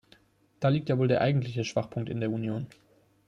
Da liegt ja wohl der eigentliche Schwachpunkt in der Union.